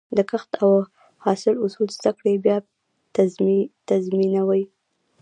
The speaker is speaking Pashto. د کښت او حاصل اصول زده کړه، بریا تضمینوي.